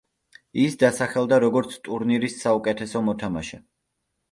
ის დასახელდა როგორც ტურნირის საუკეთესო მოთამაშე.